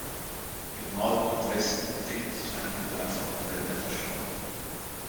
Im Norden und Westen finden sich einige Dörfer und Wälder verstreut.